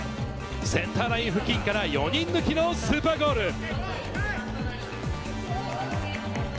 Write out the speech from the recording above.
センターライン付近から４人抜きのスーパーゴール。